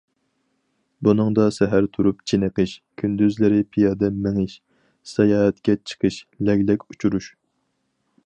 بۇنىڭدا سەھەر تۇرۇپ چېنىقىش، كۈندۈزلىرى پىيادە مېڭىش، ساياھەتكە چىقىش، لەگلەك ئۇچۇرۇش.